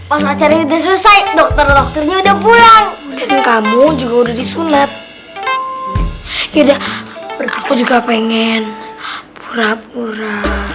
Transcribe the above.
udah selesai dokter dokternya udah pulang kamu juga udah disunat ya udah aku juga pengen pura pura